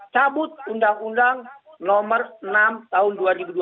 cabut undang undang nomor enam tahun dua ribu dua puluh